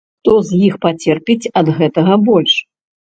Хто з іх пацерпіць ад гэтага больш?